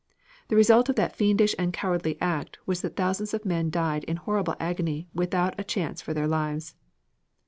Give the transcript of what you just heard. The result of that fiendish and cowardly act was that thousands of men died in horrible agony without a chance for their lives.